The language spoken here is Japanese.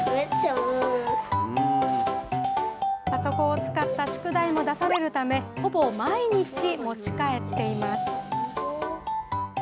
パソコンを使った宿題も出されるため、ほぼ毎日持ち帰っています。